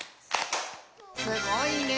すごいね！